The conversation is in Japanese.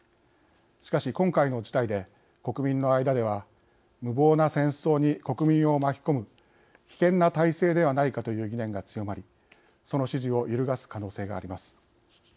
しかし、今回の事態で国民の間では無謀な戦争に国民を巻き込む危険な体制ではないかという疑念が強まりその支持を揺るがす可能性があります。